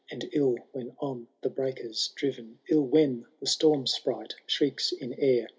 And ill when on the breakers driven,^— 111 when t^e storm sprite shrieks in air.